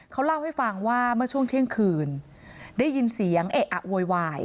เขาเล่าให้ฟังว่าเมื่อช่วงเที่ยงคืนได้ยินเสียงเอะอะโวยวาย